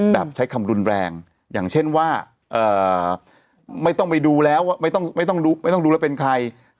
แบบใช้คำรุนแรงอย่างเช่นว่าไม่ต้องไปดูแล้วไม่ต้องดูแล้วเป็นใคร